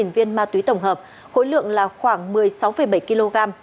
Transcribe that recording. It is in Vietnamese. viên ma túy tổng hợp khối lượng là khoảng một mươi sáu bảy kg